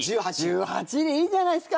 １８位でいいじゃないですか。